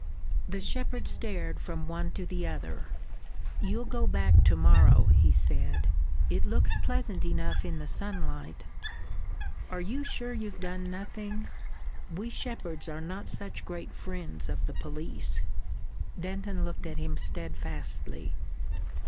The shepherd stared from one to the other. "You'll go back to morrow," he said. "It looks pleasant enough in the sunlight.... Are you sure you've done nothing? We shepherds are not such great friends of the police." Denton looked at him steadfastly.